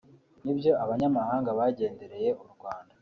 nibyo abanyamahanga bagendereye u Rwanda